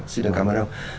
xin cảm ơn ông